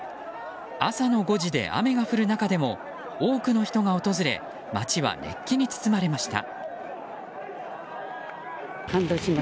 朝の５時で雨が降る中でも多くの人が訪れ街は熱気に包まれました。